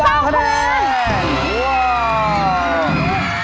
๑๙คะแนน๑๙คะแนน